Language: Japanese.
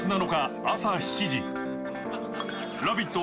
「ラヴィット！」